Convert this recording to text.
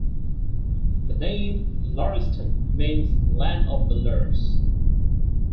The name "Lorestan" means "land of the Lurs".